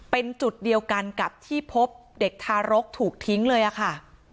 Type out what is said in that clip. เป็นจุดเดียวกันกับที่พบเด็กทารกถูกทิ้งเลยอะค่ะ